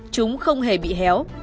chúng không hề bị héo